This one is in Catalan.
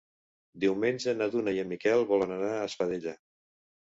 Diumenge na Duna i en Miquel volen anar a Espadella.